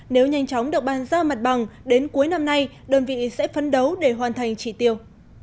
nếu nhanh chóng được bàn giao mặt bằng đến cuối năm nay đơn vị sẽ phấn đấu để hoàn thành trị tiêu